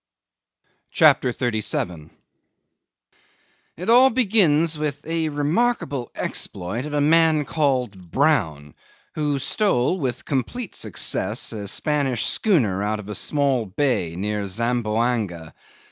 CHAPTER 37 'It all begins with a remarkable exploit of a man called Brown, who stole with complete success a Spanish schooner out of a small bay near Zamboanga.